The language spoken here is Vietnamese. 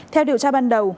theo điều tra ban đầu